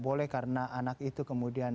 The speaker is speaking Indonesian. boleh karena anak itu kemudian